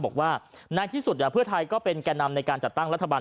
บอกว่าในที่สุดเพื่อไทยก็เป็นแก่นำในการจัดตั้งรัฐบาล